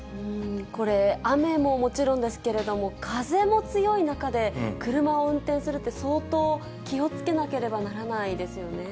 これ、雨ももちろんですけれども、風も強い中で、車を運転するって、相当、気をつけなければならないですよね。